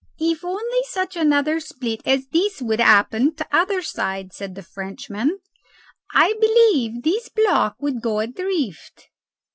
"If only such another split as this would happen t'other side," said the Frenchman, "I believe this block would go adrift."